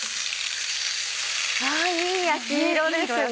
わぁいい焼き色ですね。